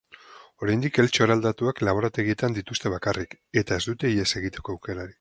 Oraindik eltxo eraldatuak laborategietan dituzte bakarrik eta ez dute ihes egiteko aukerarik.